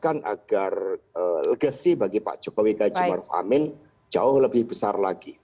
dan saya juga mempercepatkan agar legasi bagi pak jokowi gajemaruf amin jauh lebih besar lagi